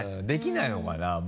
できないのかな？